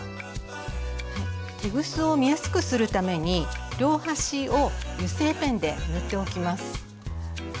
テグスを見やすくするために両端を油性ペンで塗っておきます。